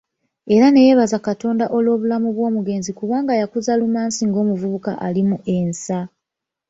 Era ne yeebaza Katonda olw’obulamu bw’omugenzi kubanga yakuza Lumansi ng'omuvubuka alimu ensa.